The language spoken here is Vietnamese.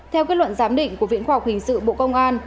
theo kết luận giám định của viện khoa học hình sự bộ công an